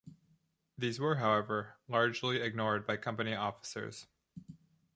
These were, however, largely ignored by company officers.